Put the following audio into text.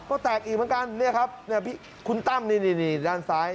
ก็แตกอีกเหมือนกันเนี่ยครับเนี่ยคุณตั้มนี่ด้านซ้าย